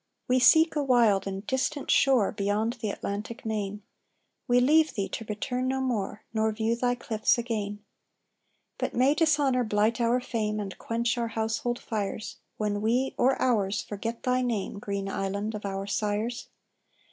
"We seek a wild and distant shore Beyond the Atlantic main; We leave thee to return no more, Nor view thy cliffs again: "But may dishonour blight our fame, And quench our household fires, When we, or ours, forget thy name, Green Island of our Sires.